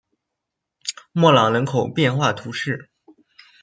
莫朗人口变化图示